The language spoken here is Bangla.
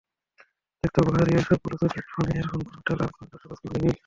দেখতেও বাহারি এসব ব্লুটুথ হেডফোন, ইয়ারফোন কোনোটা লাল, কোনোটা সবুজ, কোনোটা নীল।